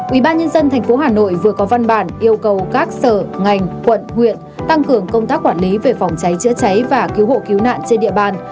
ubnd tp hà nội vừa có văn bản yêu cầu các sở ngành quận huyện tăng cường công tác quản lý về phòng cháy chữa cháy và cứu hộ cứu nạn trên địa bàn